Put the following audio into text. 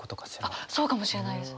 あっそうかもしれないです。